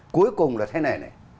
cuối cùng là thế này